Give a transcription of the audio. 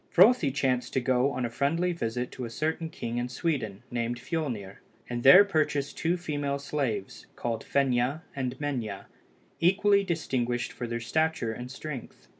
Frothi chanced to go on a friendly visit to a certain king in Sweden, named Fiolnir, and there purchased two female slaves, called Fenia and Menia, equally distinguished for their stature and strength.